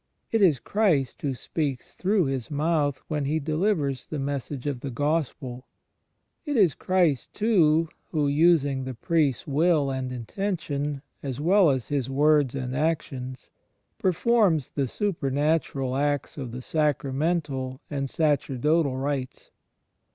It is Christ who speaks through his mouth when he delivers the message of the Gk)spel; it is Christ too, who, using the priest's will and intention as well as his words and actions, performs the supernatural acts of the sacramental and sacerdotal rites.